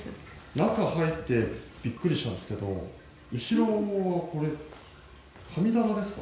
中入ってビックリしたんですけど後ろこれ神棚ですか？